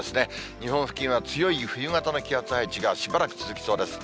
日本付近は強い冬型の気圧配置がしばらく続きそうです。